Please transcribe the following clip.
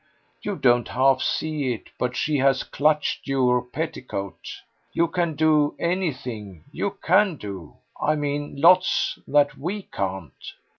You don't half see it, but she has clutched your petticoat. You can do anything you can do, I mean, lots that WE can't.